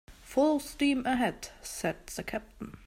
"Full steam ahead," said the captain.